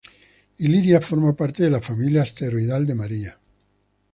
Illyria forma parte de la familia asteroidal de María.